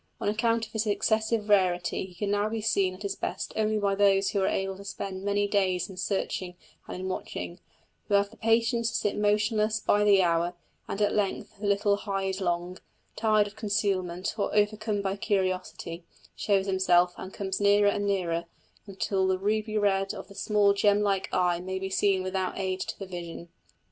On account of his excessive rarity he can now be seen at his best only by those who are able to spend many days in searching and in watching, who have the patience to sit motionless by the hour; and at length the little hideling, tired of concealment or overcome by curiosity, shows himself and comes nearer and nearer, until the ruby red of the small gem like eye may been seen without aid to the vision.